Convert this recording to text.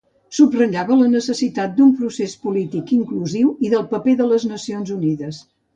Subratllava la necessitat d'un procés polític inclusiu i del paper de les Nacions Unides.